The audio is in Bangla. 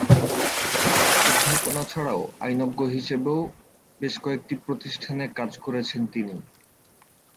অধ্যাপনা ছাড়াও আইনজ্ঞ হিসেবেও বেশ কয়েকটি প্রতিষ্ঠানে কাজ করেছেন তিনি।